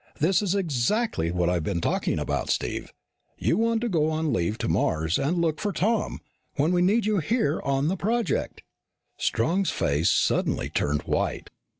"This is exactly what I've been talking about, Steve. You want to leave to go to Mars and look for Tom when we need you here on the project." Strong's face suddenly turned white.